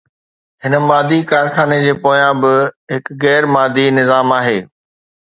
هن مادي ڪارخاني جي پويان به هڪ غير مادي نظام آهي